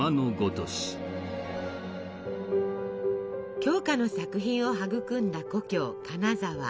鏡花の作品を育んだ故郷金沢。